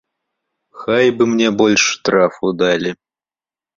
Хай бы мне больш штрафу далі.